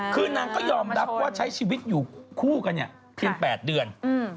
คือนางก็ยอมรับว่าใช้ชีวิตอยู่คู่กันเนี่ยเพียง๘เดือน